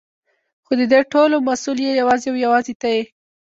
خو ددې ټولو مسؤل يې يوازې او يوازې ته يې.